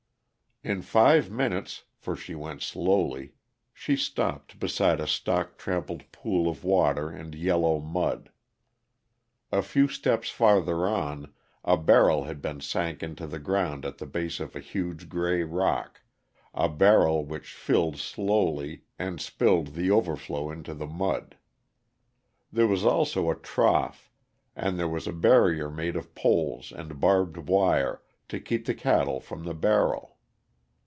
In five minutes for she went slowly she stopped beside a stock trampled pool of water and yellow mud. A few steps farther on, a barrel had been sunk in the ground at the base of a huge gray rock; a barrel which filled slowly and spilled the overflow into the mud. There was also a trough, and there was a barrier made of poles and barbed wire to keep the cattle from the barrel.